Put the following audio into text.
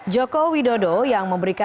jokowi dodo yang memberikan